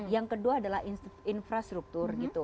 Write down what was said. yang kedua adalah infrastruktur